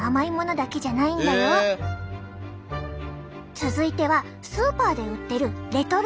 続いてはスーパーで売ってるレトルトのエビチリ。